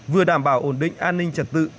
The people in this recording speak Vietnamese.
vừa đảm bảo ổn định an ninh trật tự